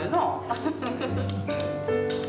フフフフ。